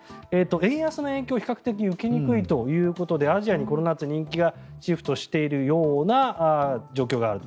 円安の影響を比較的受けにくいということでアジアにこの夏人気がシフトしているような状況があると。